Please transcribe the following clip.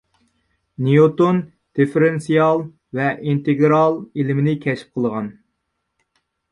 نيۇتون دىففېرېنسىئال ۋە ئىنتېگرال ئىلمىنى كەشىپ قىلغان